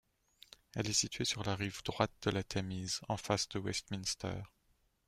Elle est située sur la rive droite de la Tamise, en face de Westminster.